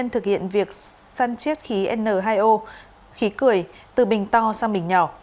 thực hiện việc săn chiếc khí n hai o khí cười từ bình to sang bình nhỏ